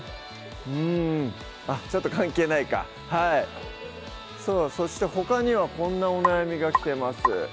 うんちょっと関係ないかそうそしてほかにはこんなお悩みが来てます